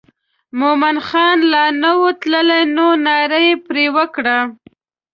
مومن خان لا نه و تللی نو ناره یې پر وکړه.